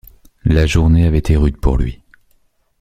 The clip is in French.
La journée avait été rude pour lui.